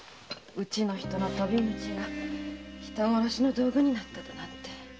うちの人の鳶口が人殺しの道具になったなんて。